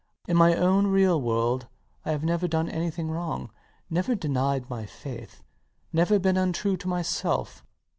But in my own real world I have never done anything wrong, never denied my faith, never been untrue to myself.